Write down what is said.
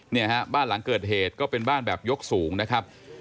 เนี่ยฮะบ้านหลังเกิดเหตุก็เป็นบ้านแบบยกสูงนะครับ